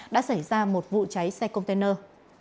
đã xảy ra một vụ cháy xe container